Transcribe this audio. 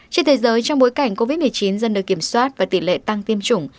trên thế giới trong bối cảnh covid một mươi chín dần được kiểm soát và tỷ lệ tăng tiêm chủng